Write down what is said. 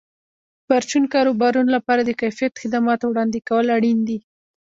د پرچون کاروبارونو لپاره د کیفیت خدماتو وړاندې کول اړین دي.